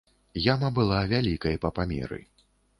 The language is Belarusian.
Яма была вялікай па памеры.